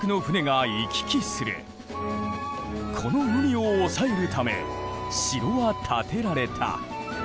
この海をおさえるため城は建てられた。